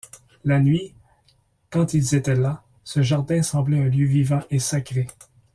La nuit, quand ils étaient là, ce jardin semblait un lieu vivant et sacré.